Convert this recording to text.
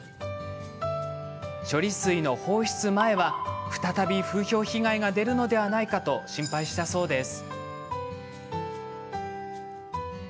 処理水の放出前は再び風評被害が出るのではないかと心配したそうです。